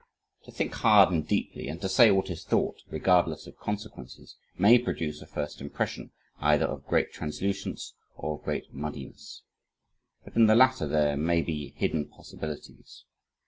To think hard and deeply and to say what is thought, regardless of consequences, may produce a first impression, either of great translucence, or of great muddiness, but in the latter there may be hidden possibilities.